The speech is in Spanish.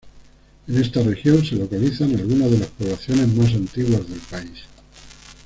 En esta región se localizan algunas de las poblaciones más antiguas del país.